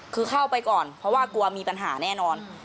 คือเข้าไปก่อนเพราะว่ากลัวมีปัญหาแน่นอน